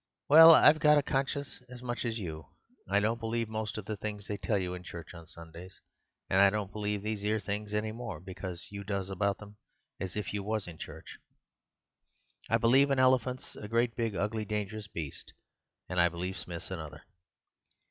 Well, I 'ave got a conscience as much as you. I don't believe most of the things they tell you in church on Sundays; and I don't believe these 'ere things any more because you goes on about 'em as if you was in church. I believe an elephant's a great big ugly dingerous beast— and I believe Smith's another."